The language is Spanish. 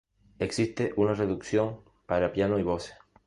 Existe una reducción para piano y voces.